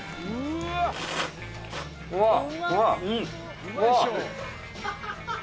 うわ。